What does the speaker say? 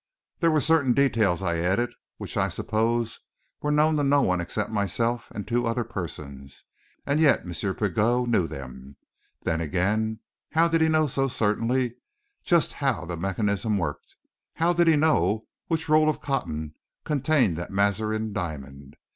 "There were certain details," I added, "which I supposed were known to no one except myself and two other persons and yet M. Pigot knew them. Then again, how did he know so certainly just how the mechanism worked? How did he know which roll of cotton contained that Mazarin diamond?